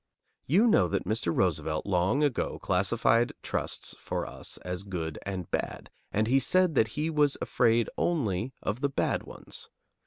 You know that Mr. Roosevelt long ago classified trusts for us as good and bad, and he said that he was afraid only of the bad ones.